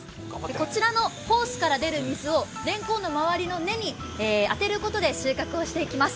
こちらのホースから出る水をれんこんの周りの根に当てることで収穫をしていきます。